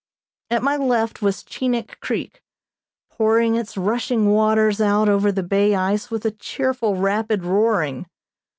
At my left was Chinik Creek, pouring its rushing waters out over the bay ice with a cheerful, rapid roaring.